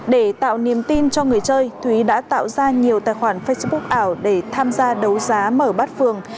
để tạo niềm tin cho người chơi thúy đã tạo ra nhiều tài khoản facebook ảo để tham gia đấu giá mở bát phường